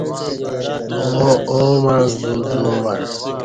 آو آومع زو زومع